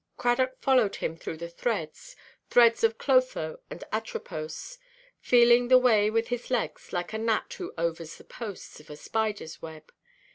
Cradock followed him through the threads—threads of Clotho and Atropos—feeling the way with his legs, like a gnat who "overs the posts" of a spiderʼs web.